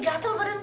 gatel badan gue